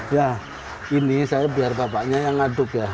ya ini saya biar bapaknya yang ngaduk ya